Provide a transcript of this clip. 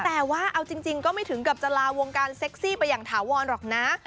แต่ว่าเอาจริงก็ไม่ถึงกับจะลาวงการเซ็กซี่ไปอย่างถาวรหรอกนะ